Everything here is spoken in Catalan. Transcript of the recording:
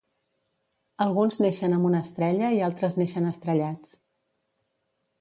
Alguns neixen amb una estrella i altres neixen estrellats